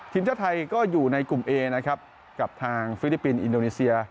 ทีมชาติไทยก็อยู่ในกลุ่มเอนะครับกับทางฟิลิปปินส์อินโดนีเซีย